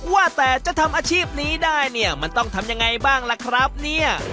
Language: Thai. ว่าแต่จะทำอาชีพนี้ได้เนี่ยมันต้องทำยังไงบ้างล่ะครับเนี่ย